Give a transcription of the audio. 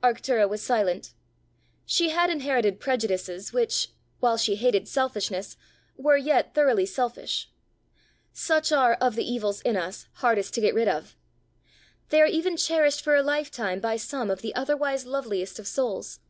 Arctura was silent. She had inherited prejudices which, while she hated selfishness, were yet thoroughly selfish. Such are of the evils in us hardest to get rid of. They are even cherished for a lifetime by some of the otherwise loveliest of souls.